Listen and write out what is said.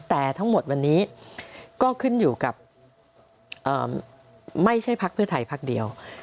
แต่ทั้งหมดวันนี้ก็ขึ้นอยู่กับไม่ใช่พักเพื่อไทยพักเดียว